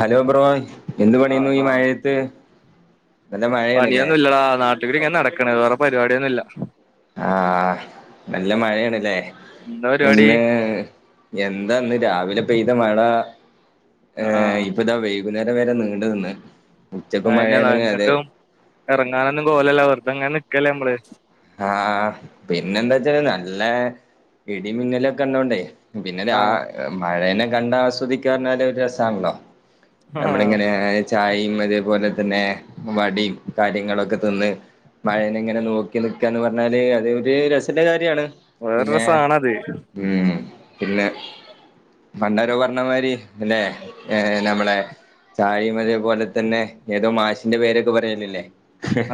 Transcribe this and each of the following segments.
Hello bro എന്ത് പണിയുന്നു ആഹ് ഈ ആഹ് മഴയത്ത് നല്ല മഴയാണല്ലേ [unintelligible] ഇങ്ങനെ നടക്കണ വേറെ പരിപാടിയൊന്നുമില്ല ആഹ നല്ല മഴയണല്ലേ എന്താ പരിപാടി ഇന്ന് എന്താന്ന് രാവിലെ പെയ്ത മഴ ഏഹ ആഹ് ഇപ്പൊതാ വെയ വൈകുന്നേരം വരെ നീണ്ട് നിന്ന് ഉച്ചക്ക് മഴയാണ് അതത് ഇറങ്ങാനൊന്ന പോലല്ലോ വെറുതെങ്ങനെ നിക്കല്ലേ നമ്മള് ആഹ് പിന്നെന്താ വെച്ചാല് നല്ല ഇടിമിന്നലൊക്കെ ഉണ്ടോണ്ടേ പിന്നെ ആ ആഹ് മഴേനെ കണ്ട ആസ്വദിക്ക്യാ എന്ന് പറഞ്ഞാല് ഒരു രസമാണല്ലോ നമ്മള ആഹ് എങ്ങനെയ ചായയും അതേപോലെ തന്നെ വടയും കാര്യങ്ങളൊക്കെ തിന്ന് മഴനെങ്ങനെ നോക്കി [unintelligible] പറഞ്ഞാല് അത് ഒരു രസള്ള കാര്യമാണ് വേറൊരു രസാണത് ഉം പിന്നെ പണ്ടാരോ പറഞ്ഞമാതിരി അല്ലെ ഏർ നമ്മളെ അതേ പോലെ തന്നെ ഏതോ മാഷിന്റെ പേരൊക്കെ പറയലല്ലേ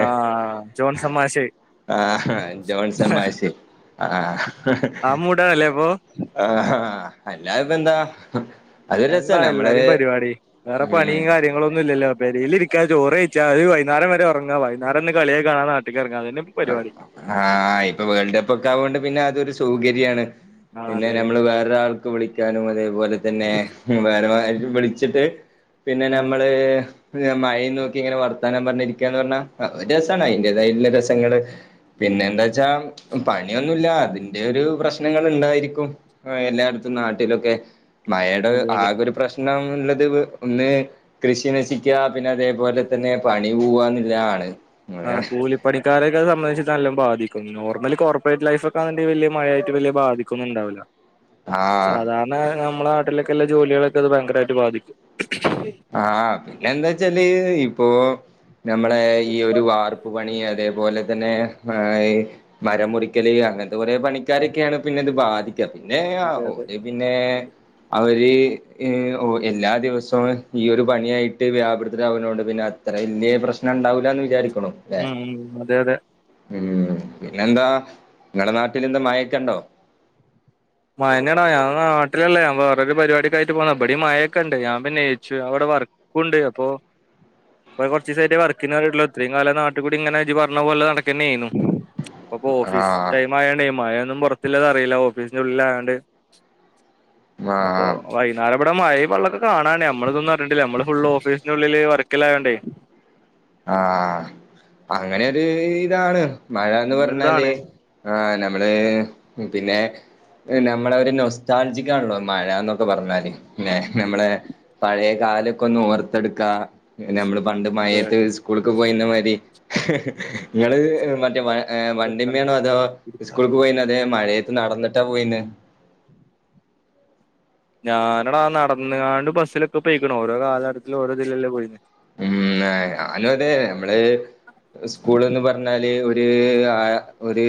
ആഹ് ജോൺസൻ മാഷെ ആഹ് ജോൺസൻ മാശ് ആഹ ആ മൂടാണല്ലേ അപ്പൊ ആഹ അല്ലാതെപ്പന്താ എന്നല്ലാ എല്ലാരേും പരിപാടി വേറെ ഉം പണിയും കാര്യങ്ങളന്നും ഇല്ലല്ലോ പെരേല് ചോറ്ഴച്ചാ അ വൈനേരം വരെ ഉറങ്ങ വൈന്നരം ഇന്ന് കളികാണാ നാട്ട ഇറങ്ങ അതന്നെ ഇപ്പോ പരിപാടി ആഹ ഇപ്പൊ വേൾഡ് കപ്പ് ഒക്കെ ആവൊണ്ട് പിന്നെ അതൊരു സൗകര്യമാണ് ആഹ് പിന്നെ അതെ നമ്മള് വേറൊരാൾക്ക് വിളിക്കാനും അതേപോലെ തന്നെ വേറെ വിളിച്ചിട്ട് പിന്നെ ആഹ് നമ്മള് മഴ നോക്കി ഇങ്ങനെ വർത്താനം പറഞ്ഞിരിക്കന്ന് പറഞ്ഞാ അ ഒരു രസമാണ് അതിൻന്റേതായുള്ള രസങ്ങള് പിന്നെ എന്താ വെച്ചാ പണിയൊന്നുല്ല അതിന്റെ ഒരു പ്രശ്നങ്ങൾ ഇണ്ടായിരിക്കും ആ എല്ലായിടത്തും നാട്ടിലൊക്കെ മഴയുടെ അതെ അതെ ആകൊ ഒരു പ്രശ്നം ഉള്ളത് ഒന്ന് കൃഷി നശിക്കുക പിന്നെ അതേപോലെ തന്നെ പണി പോവന്നുള്ളതാണ് ആ കൂലി പണിക്കാരെക്കെ സംബന്ധിച്ച് നല്ല ബാധിക്കും. നോർമൽ കോർപ്പറേറ്റ് ലൈഫ് ഒക്കെ ആണ്‌ണ്ടെ വലിയ മഴയായിട്ട് വല്യയ ബാധി ക്കുന്നുണ്ടാവില്ലാ ആഹ് സാധാരണ നമ്മളെ നാട്ടിലൊക്കെല്ല ജോലികളൊക്കെ അത് ഭയങ്കരമായിട്ട് ബാധിക്കും ആഹ് പിന്നെ എന്താ വെച്ചാല് ഇപ്പോ നമ്മളെ ഈ ഒരു വാർപ്പ് പണി അതേപോലെ തന്നെ ആ ഏ മരം മുറിക്കല് അങ്ങനത്തെ കുറെ പണിക്കാരൊക്കെയാണ് പിന്നെത് ബാധിക്ക പിന്നെ അതെ അതെ ഓര് പിന്നെ അവര് എല്ലാ ദിവസവും ഈ ഒരു പണിയായിട്ട് വ്യാപൃതരാകുനോണ്ട് പിന്നെ അത്ര വലിയ പ്രശ്നം ഉണ്ടാവില്ല എന്ന് വിചാരിക്ക്ണ് ഉം ഉം അതെ അതെ ഉം പിന്നെന്താ നിങ്ങടെ നാട്ടില എന്താ മഴക്കെ ഉണ്ടോ മഴന്നേണ് ഞൻ നാട്ടിലല്ല ഞാൻ വേറൊരു പരിപാടിക്ക ആയിട്ട് പോന്നാ ഇവടി മയൊക്കെണ്ട് ഞാ പിന്ന നയിച്ചു അവിടെ വർ കുണ്ട് അപ്പൊ ഇപ്പ കുറച്ച് സൈറ്റ്‌ വർക്ക്ന് വന്നിട്ടുള്ളൂ ഇത്രയും കാലം നട്ടി കൂടി ഇങ്ങനെ ജി പറഞ്ഞ പോലെ നടക്കന്നെെയ്യുന്നു ഇപ്പപ്പോ ഓഫീസ് ആഹ് ടൈം ആയോണ്ട മായൊന്നും പുറത്തില്ലത് അറിയില്ല ഓഫീസിന്റെ ഉള്ളില ആയോണ്ട് അപ്പോ ആഹ് വൈന്നാര ഇവിടെ മഴയും വള്ളൊക്കെ കണാൻണ്ടേ നമ്മൾതൊന്നും അറിഞ്ഞിട്ടില്ല നമ്മള് ഫുള്ള് ഓഫീസിന്റെ ഉള്ളില് വർക്കിലായോണ്ടേ ആഹ് അങ്ങനെരു ഇതാണ് മഴന്ന് അങ്ങനൊരിതാണ് പറഞ്ഞാല് ആഹ് നമ്മള് പിന്നെ നമ്മളെ ഒര് നൊസ്റ്റാൽജിക്കാണല്ലോ മഴ എന്നൊക്കെ പറഞ്ഞാല് ല്ലെ ഉം നമ്മളെ പഴയ കാല ഒക്കെ ഒന്ന് ഓർത്തെടുക്കാ നമ്മള് പണ്ട് മഴ അതെ സ്കൂളക്ക് പോയിന്ന മാരി നിങ്ങള് മറ്റേ മഴ ഏ എടുത്താലോ വണ്ടിമ്മേണോ അതോ എടുത്താലോ സ്കൂൾക്ക് പോയിന്ന് അതേ മഴയത്ത് നടന്നിട്ടാ പോയിന്ന് ഞാനടാ നടന്നുകാണ്ട് ബസ്സിലൊക്കെ പോയിക്ക്ണ് ഓരോ കാലഘട്ടത്തിലും ഓരോ തിലല്ലേ പോയത് ഉം നെ ഞാനും അതെ നമ്മള് സ്കൂളൊന്ന് പറ പറഞ്ഞാല് ഒരു ഒരു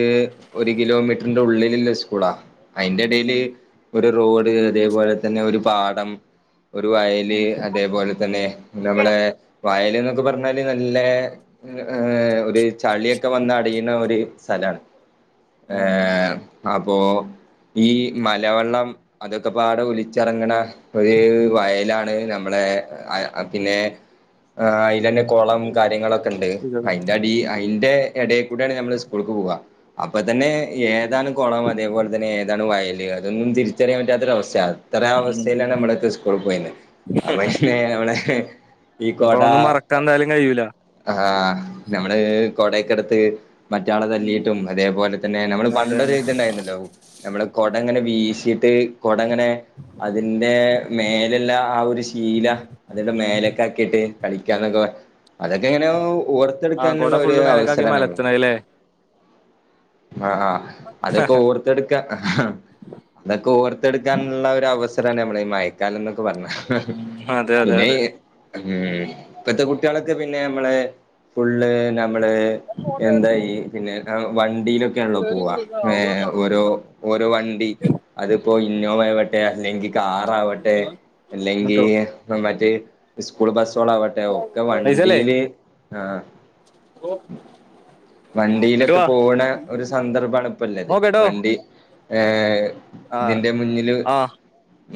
ഒരു കിലോമീറ്ററിന്റെ ഉള്ളില്‌ല്ല സ്കൂളാ അയിന്റെ ഇടയില് ഒരു റോഡ് അതേപോലെ തന്നെ ഒരു പാടം ഒരു വയല് അതേപോലെ തന്നെ നമ്മളെ വയല് എന്നൊക്കെ പറഞ്ഞാല് നല്ല ഏ ഒരു ചളിയൊക്കെ വന്ന് അടിയുന്ന ഒരു സ്ഥലാണ് ഏ അപ്പോ ഈ മലവെള്ളം അതൊക്കെ പാടെ ഒലിച്ചിറങ്ങണ ഒരു വയലാണ് നമ്മളെ പിന്നെ ആ അയിലന്നെ കുളം കാര്യങ്ങളൊക്കെ ഉണ്ട് അതിന്റെ അടി അയിന്റെ ഇടയിൽ കൂടേണ് നമ്മള് സ്കൂൾക്ക് പോവാ അപ്പൊ തന്നെ ഏതാണ് കുളം അതേപോലെ തന്നെ ഏതാണ് വയല് അതൊന്നും തിരിച്ചറിയാൻ പറ്റാത്തൊ ഒരു അവസ്ഥ ഇത്ര അവസ്ഥയിലാണ് നമ്മളൊക്കെ സ്കൂള് പോയീനെ അപ്പം പിന്നെ നമ്മളെ ഈ അപ്പൊ കൊട ഒന്നും മറക്കാൻ എന്തായാലും കഴിയൂല ആഹ് നമ്മള് കൊടയക്കെടുത്ത് മറ്റാളെ തല്ലിയിട്ടും അതേപോലെ തന്നെ നമ്മള് പണ്ടൊ ഒരു അതന്നെ ഇത്ണ്ടായിരുന്നല്ലോ നമ്മള് കൊടങ്ങനെ വീശീട്ട് കൊടങ്ങനെ അതിന്റെ മേലല്ല ആ ഒരു ശീല അതിന്റെ മേലെ ക്കിയിട്ട് കളിക്കാനൊക്കെ അതൊക്കെ ഇങ്ങനെ ഓർ ആ കൊട ത്തെടുക്കാനുള്ള ഒരു ഫുള്ള് മേലക്കാക്കി അവസരാണല്ലോ മലത്തണല്ലേ ആ ആ അതൊക്കെ ഓർത്തെടുക്കാ ഇതൊക്കെ ഓർത്തെടുക്കാനുള്ള ഒരു അവസരാണ് നമ്മള ഈ മയക്കാല എന്നൊക്കെ പറഞ്ഞ അതെ അതെ പിന്നെ അതെ ഉം ഇപ്പത്തെ കുട്ടികളൊക്കെ പിന്നെ നമ്മള് ഫുള്ള് നമ്മള് എന്താ ഈ പിന്നെ വണ്ടിയിലൊക്കെയാണല്ലോ പോവാ ഏഹ് ഓരോ ഓരോ വണ്ടി അതിപ്പോ ഇന്നോവ ആവട്ടെ അല്ലെങ്കി കാറാവട്ടെ അല്ലെങ്കി ട്ടോ മറ്റേ സ്കൂൾ ബസ്സുകളോവട്ടെ ഒക്കെ പൈസല്ലേ വണ്ടീല് ആഹ് ഇങ്ങട്ട് വണ്ടിയിലൊക്കെ വാ പോകുണെ ഒരു സന്ദർഭാണ് ഇപ്പല്ലത് നോക്കട്ടോ വണ്ടി ഏഹ് ആ ഇതിന്റെ മുന്നില് ആ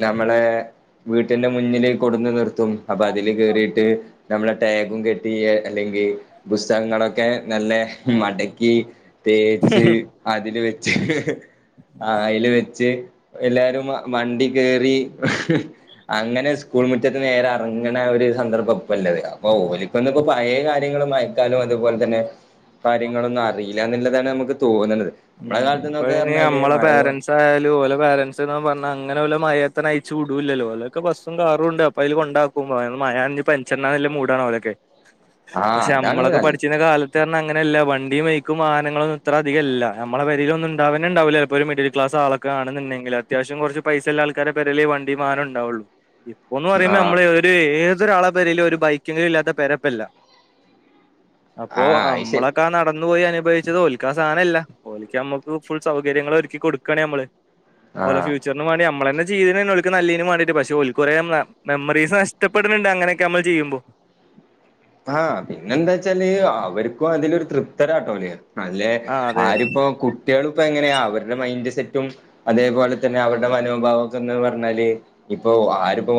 നമ്മളെ വീട്ടിന്റെ മുന്നില് കൊടുന്ന് നിർത്തും അപ്പൊ അതില് കേറീട്ട് നമ്മളെ ടാഗും കെട്ടി അല്ലെങ്കിൽ പുസ്തകങ്ങളൊക്കെ നല്ല മടക്കി തേച്ച് അതില് വെച്ച് അതില് വെച്ച് എല്ലാരും വണ്ടി കറി അങ്ങനെ സ്കൂൾ മുറ്റത്ത് നേരാ അങ്ങനെ ആ ഒരു സന്ദർഭംല്ലത് അപ്പൊ ഓലിക്കൊന്നും പയെ കാര്യ യങ്ങളും മയക്കാലും അതുപോലെ തന്നെ കാര്യങ്ങളൊന്നും അറിയില്ല എന്നുള്ളതാണ് നമുക്ക് തോന്നണത് ഉം നമ്മളെ കാലത്ത്ന്നൊക്കെ ഇപ്പയിന് പറഞ്ഞാല് നമ്മളെ മഴ കൊ പേരൻറ്സ് എന്തായാലും ഒലെ പാരൻറ്സ് നൊക്കെ പറഞ്ഞ അങ്ങനെ ഒലെ മയത്തണ് അയച്ച് വുടൂലല്ലോ ഓലൊ ബസും കാറും ഉണ്ട് അപ്പ അയില് കൊണ്ടാക്കും ഇപ്പൊ മയാണെങ്കി പറിച്ചണ്ടാന്ന് ള്ളമൂടാണ് ഒലൊക്കെ ആഹ് പക്ഷെ അതാണ് നമ്മളൊക്കെ നല്ല പഠിച്ചിന്ന കാലത്ത് ത്ത് ന്നർണാങ്ങനെയ അല്ല വണ്ടിയും ബൈക്കും വാഹനങ്ങളൊന്നും ഇത്ര അധികം അല്ല നമ്മെളെ പെരിലൊന്നും ഉണ്ടാവാന്നെ ഉണ്ടാവൂല ചെല്പ്പോ ഒരു മിഡിൽ ക്ലാസ് ആളൊക്കെ ആണുന്നുണ്ടെങ്കിൽ അത്യാവശ്യം കൊറച്ച് പൈസള്ള ആൾ ക്കരെ പെരേലെ ഈ വണ്ടിവാഹനം ഉണ്ടാവുള്ളൂ ഇപ്പൊ ഒന്ന് പറയുന്ന ആഹ് നമ്മള് ഒരെ ഏതൊരാളെ പേരേലും ഒരു ബൈക്കങ്കിലും ഇല്ലാത്ത പെരപ്പല്ല അപ്പോ ആഹ് അയ്ശരി നമ്മളൊക്കെ നടന്നു പോയി അനുഭവിച്ചത് ഓൽക്കാ സാനല്ല ഓലിക്ക് നമ്മുക്ക് ഫുൾ സൗകര്യങ്ങൾ ഒരുക്കി കൊടുക്കണ് നമ്മള് ഓലെ ആഹ് ഫ്യൂച്ചറിന് വാണിനമ്മളെന്നെ ചെയ്യണെ ഓൽക്ക്നല്ലീനുമാണ്ടിട്ട് പക്ഷെ കൊറേ മെമ്മറീസ് നഷ്ടപ്പെടുന്നുണ്ട് അങ്ങനൊക്കെ നമ്മള് ചെയ്യുമ്പോ ആഹ് പിന്നെന്താ വച്ചാല് അവർക്കും അതിലൊരു തൃപ്തരാട്ടോല് അല്ലെ ആ അതെ ആരിപ്പോ കുട്ടികള് ഇപ്പോ എങ്ങനെയാ അവരുടെ മൈൻഡ് സെറ്റും അതേപോലെ തന്നെ അവരുടെ മനോഭാവംക്കെന്ന് പറഞ്ഞാല് ഇപ്പൊ ആരിപ്പോ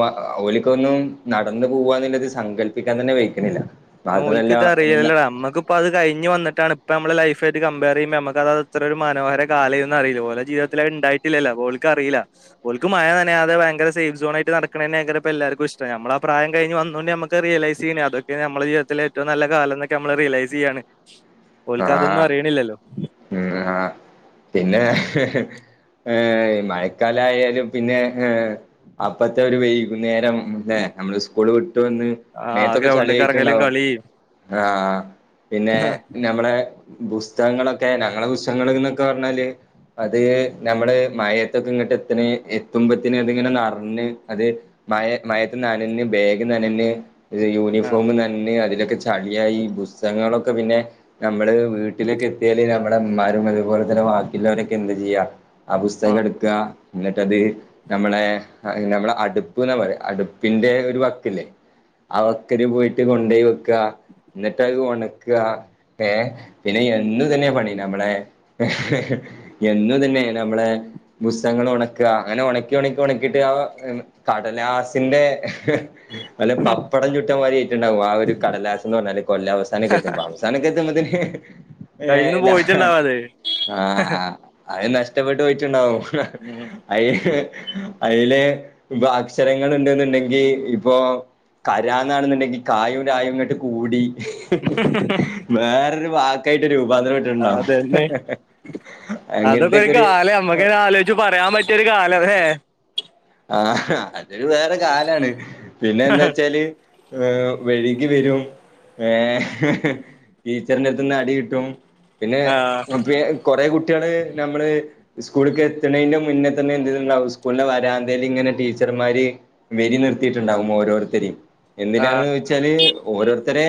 ഓലിക്ക ഒന്നും നടന്നു പോവാന്നില്ലത് സങ്കല്പിക്കാൻ തന്നെ വെയ്ക്കിണില്ല പിന്നെ ഓല്ക്ക് ഇതഅറീലല്ലൊ നമ്മക്ക് അപ്പോ അത് കഴിഞ്ഞ് വന്നിട്ടാണ് ഇപ്പോ നമ്മളെ ലൈഫായിട്ട് കമ്പയർ ചെയ്യുമ്പോ നമുക്ക് അത്ര ഒരു മനോഹര കാലെയ്ന്നറിയില്ല ഓലെ ജീവിത ത്തിലണ്ടായിട്ടില്ലല്ലോ അപ്പൊഓൽക്ക് അറീല ഒല്ക്ക് മയ നനയാതെ ഭയങ്ക സേഫ് സോണായിട്ട് നടക്കണെന്നെയിരുക്കും എല്ലാർക്കും ഇഷ്ടം നമ്മളാ ആ പ്രായം കഴഞ്ഞ് വന്നോണ്ട് നമക്ക് ക്കെ റിയലൈസ് ചെയ്യണെ അതൊക്കെ നമ്മളെ ജീവിതത്തിലെ ഏറ്റവും നല്ല കാലം എന്നൊക്കെ നമ്മള് റിയലൈസ് ചെയ്യാണ് ഓൽക്ക് ആഹ അതൊന്നും അറിയണില്ലല്ലോ ഉ ആഹ് പിന്നെ ഏഹ് മയക്കാല ആയാലും പിന്നെ ഏഹ് അപ്പത്തെ ഒരു വൈകുന്നേരം ല്ലെ നമ്മള് സ്കൂള് വിട്ട് വന്ന് ആ മേത്തൊക്കെ ഗ്രൗണ്ടിൽ കറങ്ങലും ചളിയയിട്ടുണ്ടാവും കളിയും ആഹ് പിന്നെ ഞമ്മളെ പുസ്തകങ്ങളൊക്കെ ഞങ്ങളെ പുസ്തകങ്ങ എന്നൊക്കെ പറഞ്ഞാല് അത് നമ്മള് മയത്തൊക്കെ ഇങ്ങോട്ട് എത്ത്ണെ എത്തുമ്പത്തന് അതിങ്ങനെ നറഞ്ഞ് അത് മയ മയത്ത് നനന് ബേഗ് നനന് ആ യൂണിഫോം നനന്ന് അതിലൊക്കെ ചളിയായി പുസ്തകങ്ങളൊക്കെ പിന്നെ നമ്മള് വീട്ടിലേക്കെ എത്തിയാല് നമ്മടെ ഇമ്മാരും അതുപോലെ തന്നെ വാക്കിള്ളൊരൊക്കെ എന്താചെയ്യാ ആ പുസ്തകട്ക്കാ എന്നിട്ടത് നമ്മളെ ആഹ് നമ്മളെ അടുപ്പ്ന്നാ പറയാ അടുപ്പിന്റെ ഒരു വക്കല്ലേ അവക്കരു പോയിട്ട് കൊണ്ടയ് വെക്കാ ന്നട്ട് അത് ഒണക്കാ ഏഹ് പിന്നെ ഉം എന്നും ഇതന്നെ പണി നമ്മളെ എന്നു ഇതന്നെ നമ്മളെ പുസ്തകങ്ങൾ ഒണക്ക അങ്ങനെ ഒണക്കി ഒണക്കി ഒണക്കിട്ട് ആ കടലാസിന്റെ വല്ല പപ്പടം ചുട്ട മാരിയ്ട്ടുണ്ടാവും ആ ഒരു കടലാസ്ന്ന് പർഞ്ഞാല് കൊല്ലവസാനൊക്കെത്തുംമ്പോ [unintelligible] മതിന് ഏഹ് കയ്യിന്ന് ഇല്ല പോയിട്ടുണ്ടാവും അത് ആഹ് ആഹ് അഅ് നഷ്ടപ്പെട്ടു പോയിട്ട്ണ്ടാവും ഉം അയ്ന് അയ്ലെ പ്പൊ അക്ഷരങ്ങൾ ഉണ്ട്ന്നുണ്ടെങ്കി ഇപ്പൊ കരാ ന്നാണെന്ന്ണ്ടെങ്കി കായും രായുംങ്ങട്ട് കൂടി വേറൊരു വാക്കായിട്ട് രൂപാന്തര അതന്നെ [unintelligible] അങ്ങൻത്തെക്കൊരു മ്മക്കത് ആലോയ്ച്ച് പറയാൻ പറ്റിയൊരു കാലം അതെ ആഹ് അതൊരു വേറെ കാലാണ് പിന്നെ എന്താ ച്ചാല് ഏ വഴുകി വരും ഏ ഈ [unintelligible] ചെരന്റെട്ത്ത്ന്ന് അടി കിട്ടും പിന്നെ ആഹ് [unintelligible] കൊറേ കുട്ടികള് നമ്മള് സ്കൂള്ക്ക് എത്തണെന്റെ മുന്നെ തന്നെ എ [unintelligible] സ്കൂളെ വരാൻ [unintelligible] ഇങ്ങനെ ടീച്ചർമാര് വരി നിർത്തിയിട്ടുണ്ടാകും ഓരോരുത്തരിം ആഹ് എന്തിനാന്ന് ചോ [unintelligible] ഓരോരുത്തരെ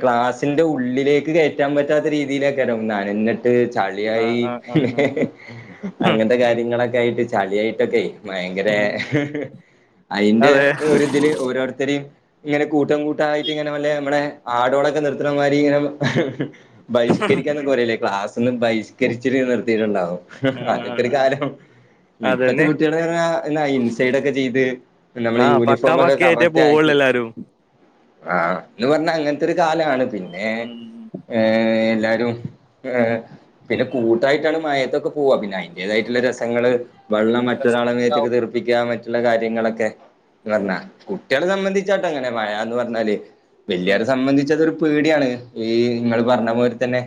ക്ലാസ്സിന്റെ ഉള്ളിലേക്ക് കയറ്റാൻ പറ്റാത്ത രീതിയിലാക്കാരം നനഞ്ഞി ട്ട് ആഹ് ചളിയായി ആഹ് പിന്നെ ആഹ് ആഹ് അങ്ങൻത്തെ കാര്യങ്ങളൊക്കെ ആയിട്ട് [unintelligible] ചളിയായിട്ടൊക്കെയ് ഭയങ്കര ഉം [unintelligible] അയ്ന്റെ അതെ ഒരിതില് ഓരോരുത്തരിം ഇങ്ങനെ കൂട്ടം കൂട്ടായിട്ട് ഇങ്ങനെ വല്ല നമ്മളെ ആടോടൊക്കെ നിർത്ത്ണമാരി ഇങ്ങനെ ബഹി്ഷ്കരിക്കാന്നൊക്കെ പറയല് ല്ലേ ക്ലാസ്ന്ന് ബഹി്ഷ്കരിച്ചിട്ട് നിർത്തിയിട്ടുണ്ടാകും അതൊക്കര് ആഹ് കാലം ഇപ്പത്തെ അതന്നെ കു [unintelligible] ഇൻസൈഡൊക്കെ ചെയ്ത് നമ്മളെ ആഹ് പക്കാ യൂണിഫോമൊ പക്കയായിട്ടേ കറക്റ്റ് പോവുള്ളൂ ആക്കി എല്ലാരും ആഹ് ന്ന് പറഞ്ഞാ അങ്ങൻത്തൊരു കാലാണ് പിന്നെ ഉം ഏ എല്ലാരും ഏ പിന്നെ കൂട്ടായിട്ടാണ് മഴത്തൊക്കെ പോവ പിന്നെ അയ്ന്റേതായിട്ടുള്ള രസങ്ങള് വെള്ളം ട്ടനാളൊക്കെ രസണ്ടാവും തെറിപ്പിക്കാൻ മറ്റുള്ള കാര്യങ്ങളൊക്കെ ഉം പറഞ്ഞാ കു ട്ടികാളെ സംബന്ധിച്ചട്ടങ്ങനെ മഴ ന്ന് പറഞ്ഞാല് ഉം വല്ലിയാരെ സംബന്ധിച്ചതൊരു പേടിയാണ് ഈ ഇങ്ങൾ പറഞ്ഞ പോലെ തന്നെ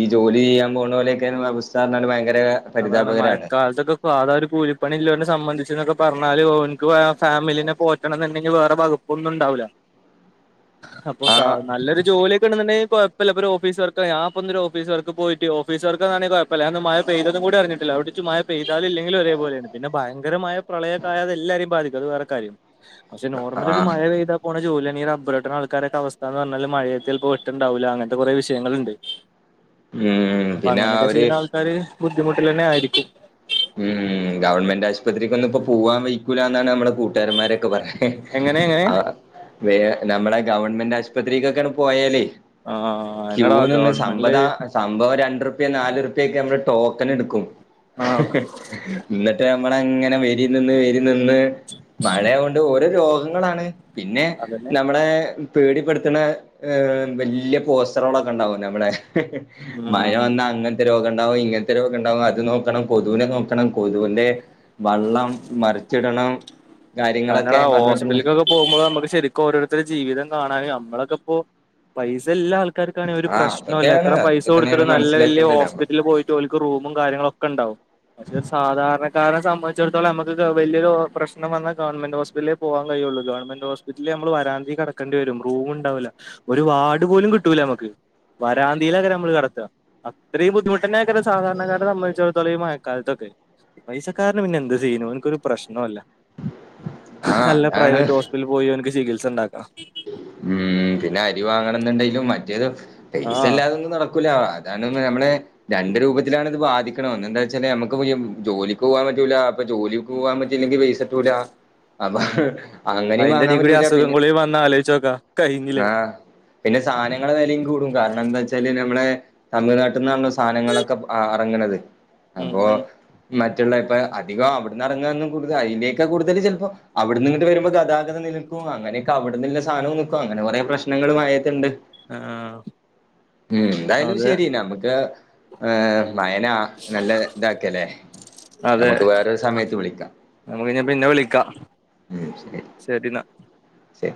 ഈ ജോലി ചെയ്യാൻ പോണോലെയൊക്കെ അവസ്ഥ ന്നാല് ഭയങ്കര അതാണ് പരിതാപകരാണ് മഴക്കാലത്തൊക്കെ സാതാ ഒരു കൂലിപ്പണി ഇല്ലോനെ സംബന്ധിച്ച്ന്നൊക്കെ പറഞ്ഞാല് ഓൻക്ക് [unintelligible] ഫാമിലിനെ പോറ്റണം ന്ന്ണ്ടെങ്കിൽ വേറെ വകു ഒന്നും ഉണ്ടാവ് ല്ല [inaudible] അപ്പൊ ഏ ആഹ് നല്ലൊരു ജോലിയൊക്കെ ഉണ്ട്ന്നുണ്ടെ കൊയപ്പല്ല പ്പൊരു ഓഫീസ് വർക്കാ ഞാപ്പൊ ഒരു ഓഫീസ് വർക്ക് പോയ്ട്ട് ഓഫീസ് വർക്കാണങ്കി കൊയപ്പല്ല. ഞാ പന്ന് മഴ പെയ്തതും കൂടി അറിഞ്ഞിട്ടില്ല അവട്ക്ക് മഴ പെയതാലും ഇല്ലെങ്കിലും ഒരേ പോലെയാണ്. പിന്നെ ഭയങ്കര മഴ പ്രളയക്കായാ എല്ലാരിം ബാധിക്കും അത് വേറെ കാര്യം [inaudible] പക്ഷെ നോർമല് ഒരു ആഹ് മഴ പെയ്താ പോണ ജോലിയന്നെ റബ്ബറട്ട്ണെ ആൾക്കാരൊക്കെ അവസ്ഥാന്ന് പർഞ്ഞാല് മഴയെ ചെൽപ്പോ വെട്ട്ണുണ്ടാവൂല്ല അങ്ങൻത്തെ കൊറേ വിഷയങ്ങളുണ്ട് ഉം അപ്പൊ പിന്നെ അങ്ങനെയൊക്കെ അവര് ചെയ്യ്ണ ആൾക്കാര് ബുദ്ധിമുട്ടിലെന്നെ ആയിരിക്കും ഉം ഗവൺമെന്റ് ആശുപത്രിക്കൊന്ന് ഇപ്പോ പോവാൻ വെയ്ക്കൂല്ല ന്നാണ് നമ്മളെ കൂട്ടാരമാരൊക്കെ പറ എങ്ങനെ എങ്ങനെ ആഹ് വേ നമ്മളെ ഗവൺമെന്റ് ആശുപത്രിക്കൊക്കെയാണ് പോയാലേ ആ ക്യൂ എന്നടാ നിന്ന് ഗവൺമെന്റില് സമ്പതാ സംഭവം രണ്ടുർപ്യ നാലൂർപ്യ ഒക്കെ നമ്മ ടോക്കൺ എടുക്കും. ആഹ് എന്നിട്ട് നമ്മള അങ്ങനെ വെരി നിന്ന് വരി നിന്ന് മഴയ കൊണ്ട് രോഗങ്ങളാണ് പിന്നെ അതന്നെ നമ്മുടെ പേടിപ്പെടുത്തണ വലിയ പോസ്റ്ററുകളൊക്കെ ഉണ്ടാവും നമ്മളെ മഴ ഉം വന്നാ അങ്ങനത്തെ രോഗം ഉണ്ടാവും ഇങ്ങനത്തെ രോഗം ഉണ്ടാവും അത് നോക്കണം കൊതുവിനെ നോക്ക ണം കൊതുവിന്റെ വള്ളം മറിച്ചിടണം കാര്യങ്ങളൊക്കെ പറഞ്ഞിട്ടുണ്ട് പോകുമ്പോ നമുക്ക് ശരിക്കും ഓരോരുടെ ജീവിതം കാണാ നമ്മളൊക്കെപ്പോ പൈസ എല്ല ആ ആക്കാർക്കണ ഒരു ആഹ് പ്രശ്നല്ല അതൊക്കെയാണ് എത്ര പൈസ അതൊക്കെ തന്നെയാണ് കൊടുത്തിട്ടും നല്ല വലിയ മനസ്സിലാക്കേണ്ടത് ഹോസ്പിറ്റലിൽ പോയി ട്ടോൽക് റൂംമും കാര്യങ്ങളൊക്കെ ണ്ടാവും പക്ഷെ സാധാരണക്കാരെ സംബന്ധിച്ചിടത്തോളം നമുക്ക് വലിയരു പ്രശ്നം വന്നാ ഗവൺമെറ് ഹോസ്പിറ്റലേ പോവാൻ കഴയുള്ളൂ ഗവമെന്റ് ഹോസ്പറ്റില് നമ്മള് വരാന്തി കടക്കണ്ടി വരുംറൂം ഉണ്ടാവൂല ഒരുവാഡ്‌ പോലും കിട്ടൂല നമുക്ക് വരാന്തിയിലെ നമ്മള് കെടക്ക അത്രയും ബുദ്ധിമുട്ടന്നെ ക്കാ സാധാർണക്കാര സംമ്മേച്ചടുത്തോളം ഈ മഴക്കാലത്തൊക്കെ പൈസ കാരന് പിന്നെ എന്ത് സീനു അവ്നിക്കൊരു പ്രശ്നോ ഇല്ല ആഹ് അല്ല അതാണ് പ്രൈവറ്റ് ഹോസ്പിറ്റൽ പോയി അവ്നിക്ക് ചികിത്സ ഇണ്ടാക്കാം ഉം പിന്നെ അരി വാങ്ങണന്നുണ്ടെങ്കിലും മറ്റേത് ആഹ് പൈസല്ലാതൊന്നും നട ക്കുല അതാണ് നമ്മളെ രണ്ട് രൂപവെച്ചിട്ടാണ് ഇത് വാധിക്കണ ഓന് എന്താ വെച്ചാല് നമുക്ക് ഉയും ജോലിക്ക് പോകാൻ പറ്റൂല അപ്പ ജോലിക്ക് പൂവാൻ പറ്റിയില്ലെങ്കിൽ പൈസട്ടൂല അപ്പൊ അങ്ങനെയും വാങ്ങാൻ പറ്റൂല പിന്ന വന്നാ ആലോയിചോക്കാ ആഹ് പിന്നെ സാനങ്ങള വെലയും കൂടും കാരണം എന്താ തെലീല് നമ്മളെ തമിഴ്നാട്ടിന്നാണല്ലോ സാനങ്ങളൊക്കെ അറങ്ങണത് ഉം അപ്പോ ഉം മറ്റുള്ള ഇപ്പൊ അധികോം അവിടുന്ന് എറങ്ങനും കൂടുതൽ അയിന്റെക്കെ കൂടുതൽ ചെലപ്പോ അവിട്ന്നിങ്ങട്ട് വരുമ്പോ ഗതാഗതം നിലക്കും അങ്ങനെ അവിട്ന്നിളള സാനവും നിക്കും അങ്ങനെ കൊറേ പ്രശ്നങ്ങളും മഴയത്തുണ്ട് അ ആം ഉം എന്തായാലും ശരി നമുക്ക് അ മയനാ നല്ല ഇതാക്കല്ലേ അതെ നമുക്ക് വേറൊരു സമയത്ത് വിളിക്കാം നമുക്ക് ഉം ശരി ശെരി ന്നാ ശെരി